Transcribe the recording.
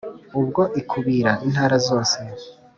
Ubwo ikubira intara zose